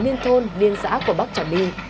liên thôn liên xã của bắc trà my